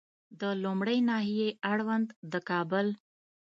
د لومړۍ ناحیې اړوند د کابل